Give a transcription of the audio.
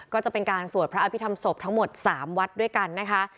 ก็จะเป็นการสวดพระอภิษฐรรมศพทั้งหมด๓วัดด้วยกันนะคะ